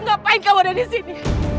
ngapain kamu ada disini